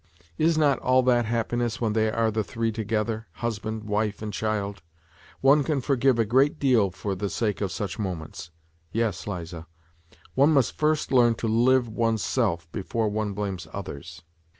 Is not all that happiness when they are the three together, husband, wife and child ? One can forgive a great deal for the sake of such moments. Yes, Liza, one must first learn to live oneself before one blames others